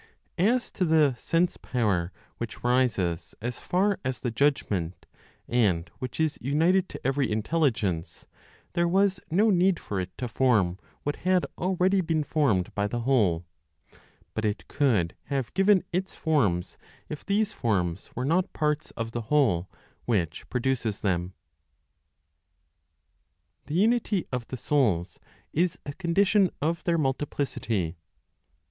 As to the sense power which rises as far as the judgment, and which is united to every intelligence, there was no need for it to form what had already been formed by the Whole, but it could have given its forms if these forms were not parts of the Whole which produces them. THE UNITY OF THE SOULS IS A CONDITION OF THEIR MULTIPLICITY.